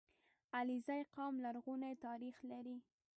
• علیزي قوم لرغونی تاریخ لري.